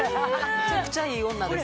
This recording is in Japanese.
めちゃくちゃいい女です